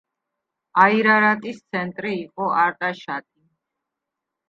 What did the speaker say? აირარატის ცენტრი იყო არტაშატი.